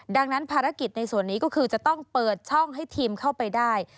ดังนั้นภารกิจในส่วนนี้ก็คือจะต้องเปิดช่องให้ทีมเข้าไปได้